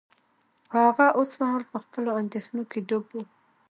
خو هغه اوس مهال په خپلو اندیښنو کې ډوب و